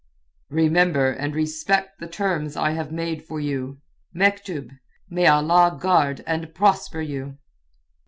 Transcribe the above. "Remember and respect the terms I have made for you! Mektub! May Allah guard and prosper you!"